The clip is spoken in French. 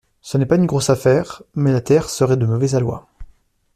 Ce n’est pas une grosse affaire, mais la taire serait de mauvais aloi.